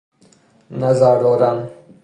نظر دادن